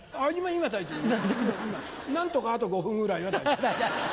今大丈夫何とかあと５分ぐらいは大丈夫。